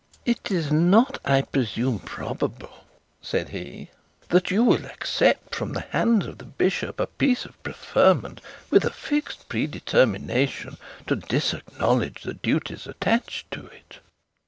'It is not, I presume, probable,' said he, 'that you will accept from the hands of the bishop a piece of preferment, with a fixed predetermination to disacknowledge the duties attached to it.'